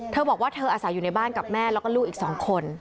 เธอบอกว่าเธออาศัยอยู่ในบ้านกับแม่แล้วก็ลูกอีก๒คน